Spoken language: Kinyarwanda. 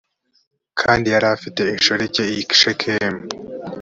kandi yari afite inshoreke i shekemu